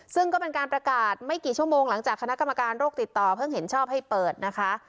ซึ่งก็เป็นการประกาศไม่กี่ชั่วโมงหลังจากคณะกรรมการโรคติดต่อเพิ่งเห็นชอบให้เปิดนะคะ